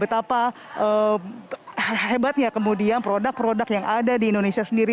betapa hebatnya kemudian produk produk yang ada di indonesia sendiri